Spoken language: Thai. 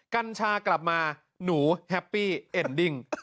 กัญชากลับมาหนูแฮปปี้เอ็นดิ้ง